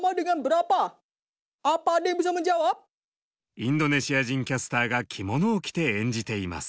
インドネシア人キャスターが着物を着て演じています。